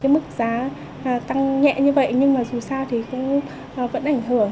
mức giá tăng nhẹ như vậy nhưng mà dù sao thì cũng vẫn ảnh hưởng